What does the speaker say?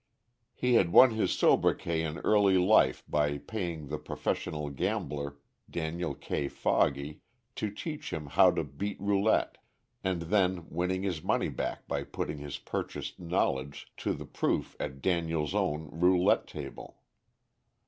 He had won his sobriquet in early life by paying the professional gambler, Daniel K. Foggy, to teach him "how to beat roulette," and then winning his money back by putting his purchased knowledge to the proof at Daniel's own roulette table.